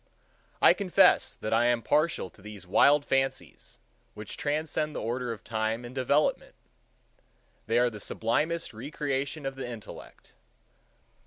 I confess that I am partial to these wild fancies, which transcend the order of time and development. They are the sublimest recreation of the intellect.